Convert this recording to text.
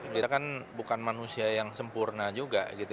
kita kan bukan manusia yang sempurna juga gitu